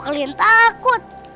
kenapa kalian takut